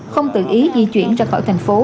không tự ý di chuyển ra khỏi thành phố